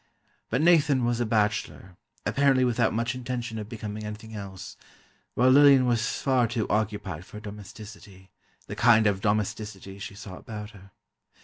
But Nathan was a bachelor, apparently without much intention of becoming anything else, while Lillian was far too occupied for domesticity, the kind of domesticity she saw about her.